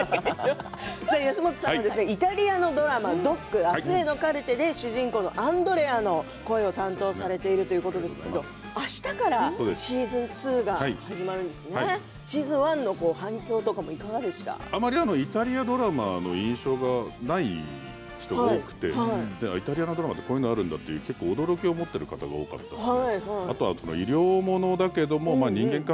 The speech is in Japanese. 安元さんはイタリアのドラマ「ＤＯＣあすへのカルテ」で主人公のアンドレアの声を担当されているということですが明日シーズン２が始まるんですけどシーズン１の反響とかどうでイタリアドラマの印象がない人が多くてイタリアのドラマってこういうものがあるんだと驚きを持っている方が多かったです。